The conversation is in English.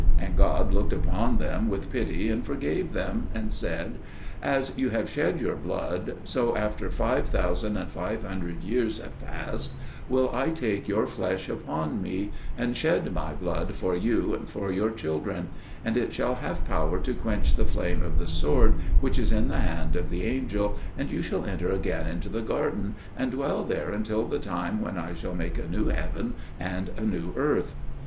And God looked upon them with pity and forgave them, and said, "As you have shed your blood, so after five thousand and five hundred years have passed will I take your flesh upon Me and shed My blood for you and for your children; and it shall have power to quench the flame of the sword which is in the hand of the angel, and you shall enter again into the garden, and dwell there until the time when I shall make a new heaven and a new earth."